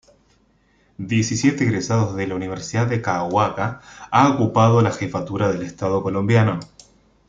Diecisiete egresados de la Universidad del Cauca han ocupado la jefatura del Estado Colombiano.